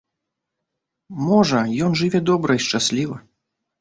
Можа, ён жыве добра і шчасліва.